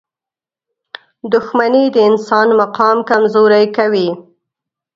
• دښمني د انسان مقام کمزوری کوي.